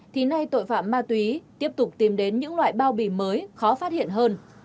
thì nay tội phạm ma túy tiếp tục tìm đến những loại bao bì mới khó phát hiện hơn